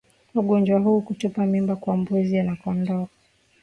Ugonjwa wa kutupa mimba kwa mbuzi na kondoo